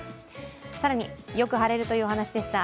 更によく晴れるというお話でした。